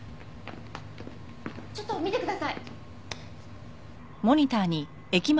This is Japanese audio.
ちょっと見てください！